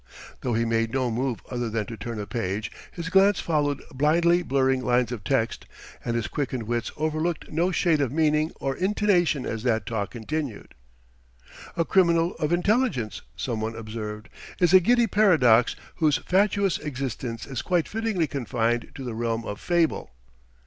Though he made no move other than to turn a page, his glance followed blindly blurring lines of text, and his quickened wits overlooked no shade of meaning or intonation as that talk continued. "A criminal of intelligence," some one observed, "is a giddy paradox whose fatuous existence is quite fittingly confined to the realm of fable."